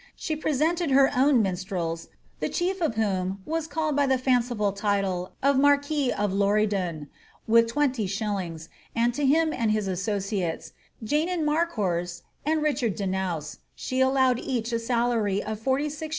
She presented her own minstrels (the chief of whom was called by the fanciful title of marquis of Lory* (Ioq) with 20s^ and to him and his associates, Janyn Marcourse and Richard Denouse, she allowed each a salary of 46s, Bd.